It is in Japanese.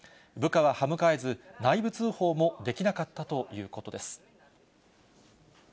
部下ははむかえず、内部通報もできなかったということです。